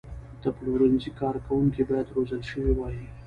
د پلورنځي کارکوونکي باید روزل شوي وي.